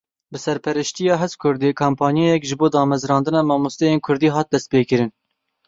Bi serpereştiya HezKurdê kampanyayek ji bo damezrandina mamosteyên Kurdî hat destpêkirin.